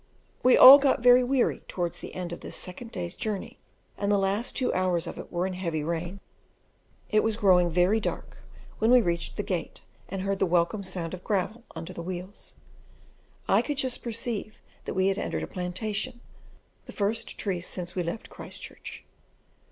We all got very weary towards the end of this second day's journey, and the last two hours of it were in heavy rain; it was growing very dark when we reached the gate, and heard the welcome sound of gravel under the wheels. I could just perceive that we had entered a plantation, the first trees since we left Christchurch.